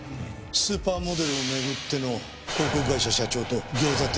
スーパーモデルをめぐっての広告会社社長と餃子店